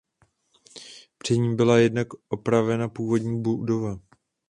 Pří ní byla jednak opravena původní budova.